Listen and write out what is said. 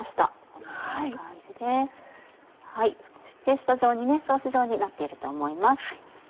このような感じで少しペースト状にソース状になっていると思います。